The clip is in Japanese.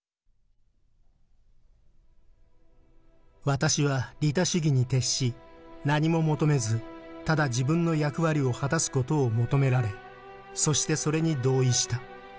「私は利他主義に徹し何も求めずただ自分の役割を果たすことを求められそしてそれに同意した。